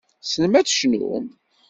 Tessnem ad tecnum.